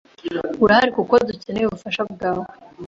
Urahari kuko dukeneye ubufasha bwawe.